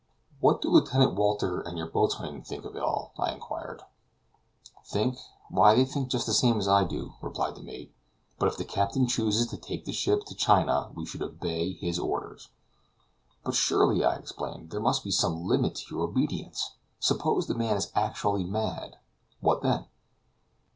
"What do Lieutenant Walter and your boatswain think of it all?" I inquired. "Think; why, they think just the same as I do," replied the mate; "but if the captain chooses to take the ship to China we should obey his orders." "But surely," I exclaimed, "there must be some limit to your obedience! Suppose the man is actually mad, what then?"